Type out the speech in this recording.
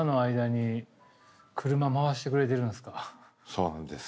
そうなんです。